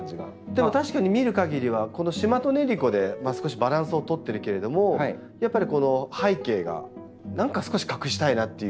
でも確かに見るかぎりはこのシマトネリコで少しバランスを取ってるけれどもやっぱりこの背景が何か少し隠したいなっていうような。